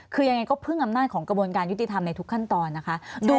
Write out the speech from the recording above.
คือยังไงก็พึ่งอำนาจของกระบวนการยุติธรรมในทุกขั้นตอนนะคะ